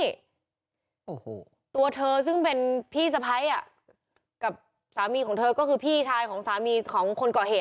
โอ้โหตัวเธอซึ่งเป็นพี่สะพ้ายอ่ะกับสามีของเธอก็คือพี่ชายของสามีของคนก่อเหตุ